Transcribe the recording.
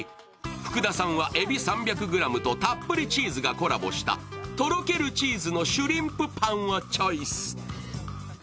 福田さんはえび３００ｇとたっぷりチーズがコラボしたとろけるチーズのシュリンプぱん！をチョイス。